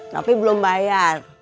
tapi belum bayar